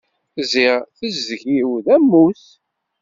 Ziɣ tezdeg-iw d ammus.